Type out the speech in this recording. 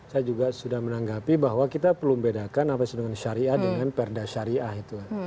saya juga sudah menanggapi bahwa kita perlu membedakan apa yang sedangkan syariah dengan perdasyariah itu